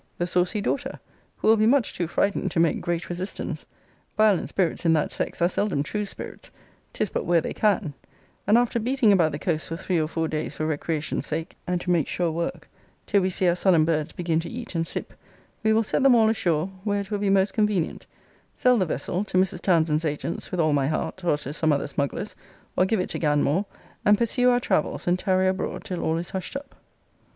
] the saucy daughter; who will be much too frightened to make great resistance, [violent spirits, in that sex, are seldom true spirits 'tis but where they can:] and after beating about the coast for three or four days for recreation's sake, and to make sure work, till we see our sullen birds begin to eat and sip, we will set them all ashore where it will be most convenient; sell the vessel, [to Mrs. Townsend's agents, with all my heart, or to some other smugglers,] or give it to Ganmore; and pursue our travels, and tarry abroad till all is hushed up.